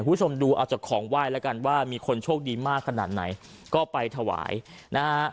คุณผู้ชมดูเอาจากของไหว้แล้วกันว่ามีคนโชคดีมากขนาดไหนก็ไปถวายนะฮะ